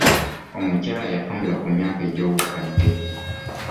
Omukyala yafunbirwa ku myaka egy'obukadde.